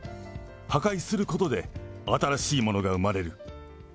破壊することで、新しいものが生まれる。